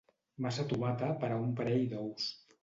Massa tomata per a un parell d'ous.